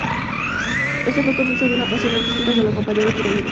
Ese fue el comienzo de una pasión artística que lo acompañó de por vida.